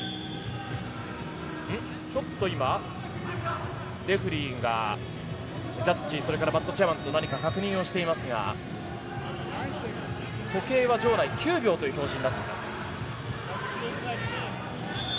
ちょっと今、レフェリーがジャッジそれからマットチェアマンと何か確認をしていますが時計は場内９秒という表示になっています。